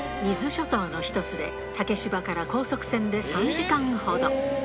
伊豆諸島の一つで、竹芝から高速船で３時間ほど。